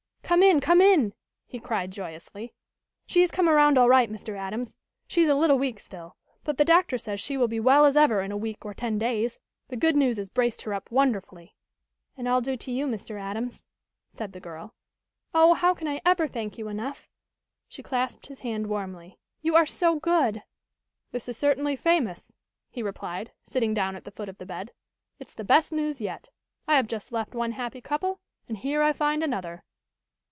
"Come in! Come in!" he cried joyously. "She has come around all right, Mr. Adams. She is a little weak still, but the doctor says she will be well as ever in a week or ten days. The good news has braced her up wonderfully." "And all due to you, Mr. Adams," said the girl. "Oh, how can I ever thank you enough?" She clasped his hand warmly. "You are so good!" "This is certainly famous," he replied, sitting down at the foot of the bed. "It's the best news yet. I have just left one happy couple and here I find another."